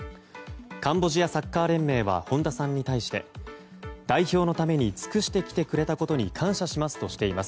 カンボジアサッカー連盟は本田さんに対して代表のために尽くしてきてくれたことに感謝したいとしています。